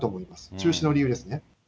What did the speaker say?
中止の理由ですね。